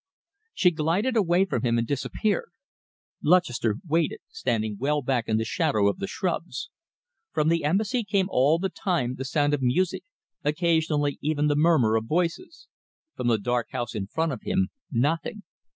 She glided away from him and disappeared. Lutchester waited, standing well back in the shadow of the shrubs. From the Embassy came all the time the sound of music, occasionally even the murmur of voices; from the dark house in front of him, nothing.